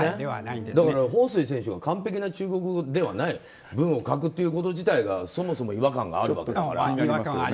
ホウ・スイ選手が完璧な中国語ではない文を書くっていうこと自体がそもそも違和感があるわけだから。